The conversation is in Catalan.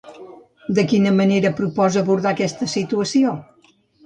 De quina manera proposa abordar aquesta situació?